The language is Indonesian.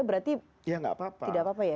berarti ya tidak apa apa ya